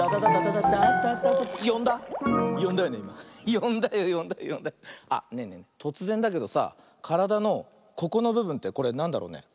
よんだよよんだよよんだよ。あっねえねえとつぜんだけどさからだのここのぶぶんってこれなんだろうね？